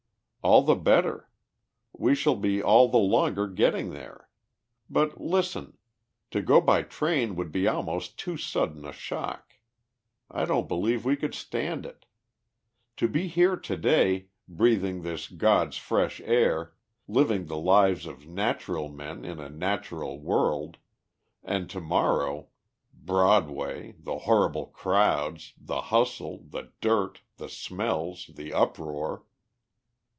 "All the better. We shall be all the longer getting there. But, listen. To go by train would be almost too sudden a shock. I don't believe we could stand it. To be here to day, breathing this God's fresh air, living the lives of natural men in a natural world, and to morrow Broadway, the horrible crowds, the hustle, the dirt, the smells, the uproar."